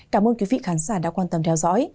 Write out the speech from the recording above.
cảm ơn quý vị khán giả đã quan tâm theo dõi